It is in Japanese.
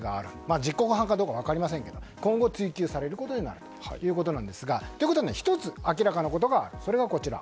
実行犯かどうか分かりませんが今後、追及されることになるということですがということで１つ明らかなことがある。